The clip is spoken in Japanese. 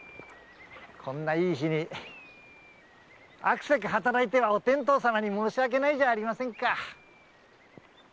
こんないい日にあくせく働いてはお天道様に申し訳ないじゃありませんか。